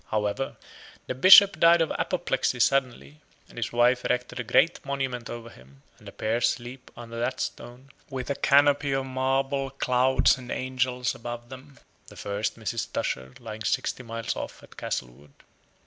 However, the Bishop died of apoplexy suddenly, and his wife erected a great monument over him; and the pair sleep under that stone, with a canopy of marble clouds and angels above them the first Mrs. Tusher lying sixty miles off at Castlewood.